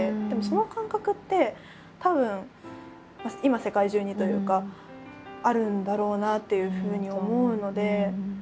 でもその感覚ってたぶん今世界中にというかあるんだろうなっていうふうに思うので。